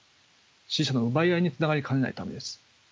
支持者の奪い合いにつながりかねないためです。